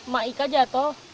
mak ika jatuh